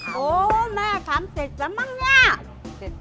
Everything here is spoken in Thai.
โอ้โฮแม่ทำเสร็จแล้วมั้งเนี่ย